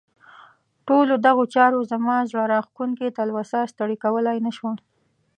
ټولو دغو چارو زما زړه راښکونکې تلوسه ستړې کولای نه شوه.